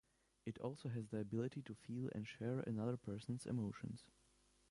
It also is the ability to feel and share another person's emotions.